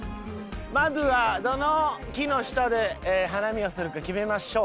まずはどの木の下で花見をするか決めましょう。